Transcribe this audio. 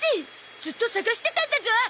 ずっと探してたんだゾ！